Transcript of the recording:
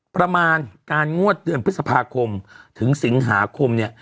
ประมาณการงวดเดือนพฤษภาคมถึงสิงหาคมเนี่ย